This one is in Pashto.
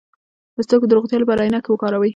د سترګو د روغتیا لپاره عینکې وکاروئ